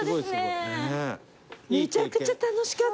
めちゃくちゃ楽しかった。